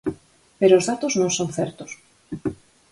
Pero os datos non son certos.